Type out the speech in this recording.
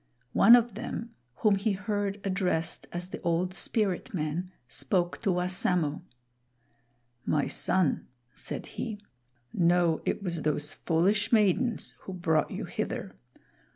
One of them, whom he heard addressed as the Old Spirit man, spoke to Wassamo. "My son," said he, "know it was those foolish maidens who brought you hither.